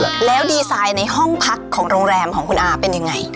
แล้วดีไซน์ในห้องพักของโรงแรมของคุณอาเป็นยังไง